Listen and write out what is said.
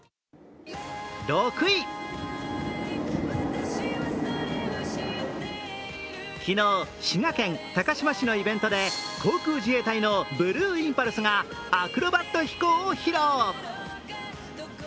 ６位昨日、滋賀県高島市のイベントで航空自衛隊のブルーインパルスがアクロバット飛行を披露。